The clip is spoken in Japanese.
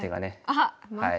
あっまた。